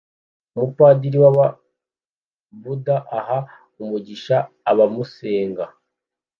Umupadiri w'Ababuda aha umugisha abamusenga